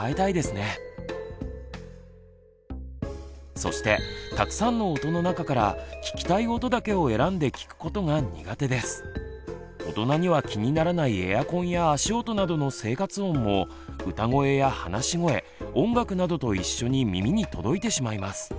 そしてたくさんの音の中から大人には気にならないエアコンや足音などの生活音も歌声や話し声音楽などと一緒に耳に届いてしまいます。